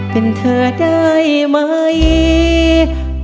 เป็นเธอได้ไหม